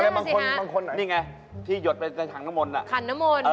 น่าสิฮะนี่ไงที่หยดไปในถังนมลน่ะคันนมล